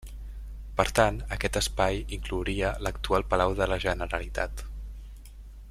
Per tant, aquest espai inclouria l'actual Palau de la Generalitat.